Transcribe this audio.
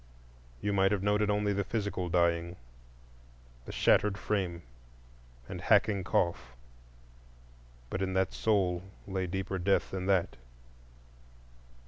You might have noted only the physical dying, the shattered frame and hacking cough; but in that soul lay deeper death than that.